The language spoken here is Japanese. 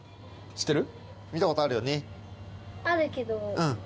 知ってる？